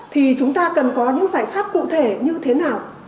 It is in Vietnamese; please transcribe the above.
thì chúng ta cần có những giải pháp cụ thể như thế nào